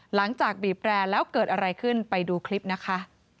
หลังจากบีบแรร์แล้วเกิดอะไรขึ้นไปดูคลิปนะคะ